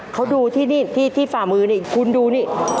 เขาดูที่นี่ที่ฝ่ามือนี่คุณดูนี่